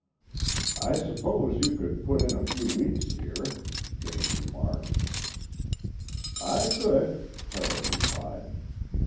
"I suppose you could put in a few weeks here," Vane remarked. "I could," Carroll replied.